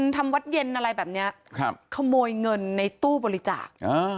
ทำวัดเย็นอะไรแบบเนี้ยครับขโมยเงินในตู้บริจาค